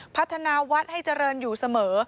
พัฒนาวัดให้เจริญอยู่เสมอ